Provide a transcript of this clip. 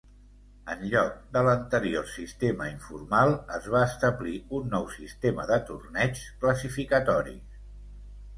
En lloc de l'anterior sistema informal, es va establir un nou sistema de torneigs classificatoris.